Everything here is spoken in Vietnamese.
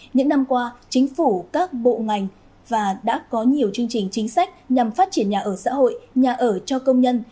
những năm qua chính phủ các bộ ngành và đã có nhiều chương trình chính sách nhằm phát triển nhà ở xã hội nhà ở cho công nhân